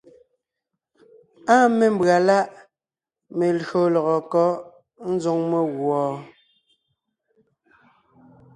Áa mémbʉ̀a láʼ melÿò lɔgɔ kɔ́ ńzoŋ meguɔ?